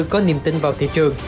có niềm tin vào thị trường